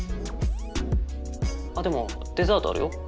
あっでもデザートあるよ。